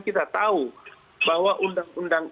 kita tahu bahwa undang undang